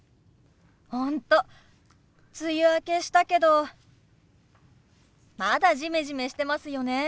本当梅雨明けしたけどまだジメジメしてますよね。